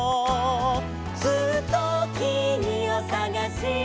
「ずっときみをさがしてた」